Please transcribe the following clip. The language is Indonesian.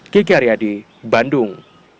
kiki aryadi bandung